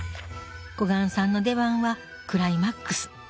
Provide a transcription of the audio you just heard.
小雁さんの出番はクライマックス。